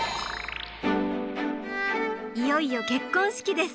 いよいよ結婚式です！